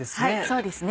そうですね